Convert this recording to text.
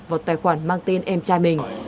vào tài khoản mang tên em trai mình